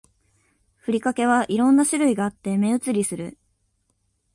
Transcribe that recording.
ふりかけは色んな種類があって目移りする